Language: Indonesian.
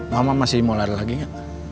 mama masih mau lari lagi ya